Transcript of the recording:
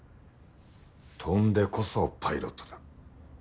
飛んでこそパイロットだ。